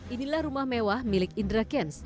inilah rumah mewah milik indra kents